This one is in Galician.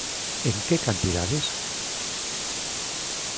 ¿En que cantidades?